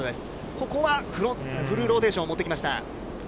ここはフルローテーションを持ってきました。